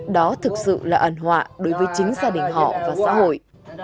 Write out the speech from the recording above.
đó thực sự là ẩn họa đối với chính gia đình họ và xã hội